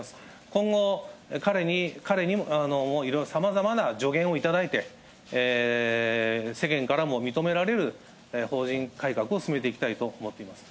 今後、彼に、彼にもいろいろな、さまざまな助言を頂いて、世間からも認められる、法人改革を進めていきたいと思っております。